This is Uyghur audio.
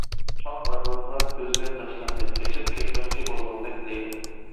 ئاق ئەرۋاھلار كۆزگە تاشلاندى، قېچىپ كەتمەكچى بولغاندەك لەيلەپ.